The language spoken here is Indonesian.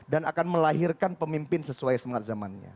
dan akan melahirkan pemimpin sesuai semangat zamannya